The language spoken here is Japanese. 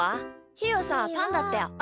ひーはさパンだったよ。